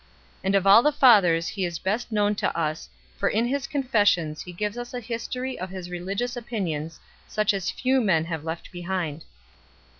And of all the Fathers he is best known to us, for in his Confessions he gives us a history of his religious opinions such as few men have left behind.